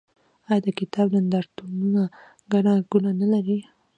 آیا د کتاب نندارتونونه ګڼه ګوڼه نلري؟